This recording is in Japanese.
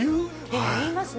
でも言いますね